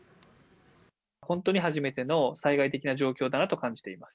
本当に初めての災害的な状況だなと感じています。